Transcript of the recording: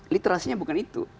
literasinya bukan itu